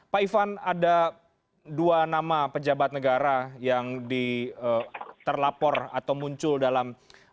pak ivan ada dua nama pejabat negara yang terlapor atau muncul dalam